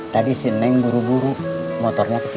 tadi si neng buru buru motornya ke cintalan